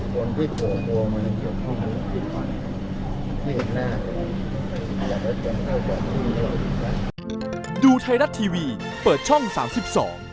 คนที่กลัวมันอย่าบริการน่ารักอยากเติมเท่าเปล่าคืนก็เราจับ